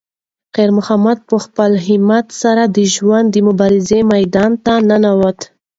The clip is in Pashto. خیر محمد په خپل همت سره د ژوند د مبارزې میدان ته ننووت.